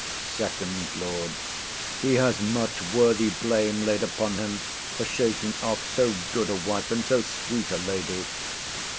FIRST LORD. He has much worthy blame laid upon him for shaking off so good a wife and so sweet a lady.